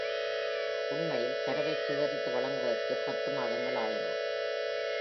உண்மையில், தரவைச் சேகரித்து வழங்குவதற்கு “பத்து மாதங்கள்” ஆயின.